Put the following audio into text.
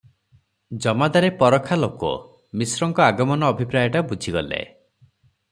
ଜମାଦାରେ ପରଖା ଲୋକ, ମିଶ୍ରଙ୍କ ଆଗମନ ଅଭିପ୍ରାୟଟା ବୁଝିଗଲେ ।